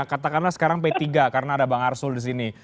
katakanlah sekarang p tiga karena ada bang arsul disini